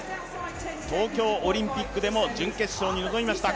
東京オリンピックでも準決勝に臨みました